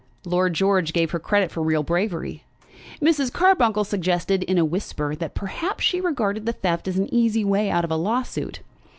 Lord George gave her credit for real bravery. Mrs. Carbuncle suggested, in a whisper, that perhaps she regarded the theft as an easy way out of a lawsuit.